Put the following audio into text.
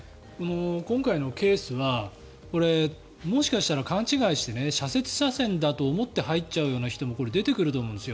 今回のケースはもしかしたら勘違いして左折車線だと思って入る人も出てくると思うんですよ。